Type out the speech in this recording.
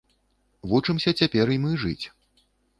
Вучымся цяпер і мы жыць.